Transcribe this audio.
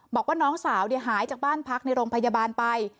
บอกว่าน้องสาวหายจากบ้านพักในโรงพยาบาลไป